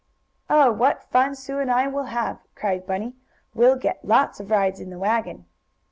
"Oh, what fun Sue and I will have!" cried Bunny. "We'll get lots of rides in the wagon."